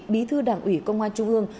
bí thư đảng ủy công an trung ương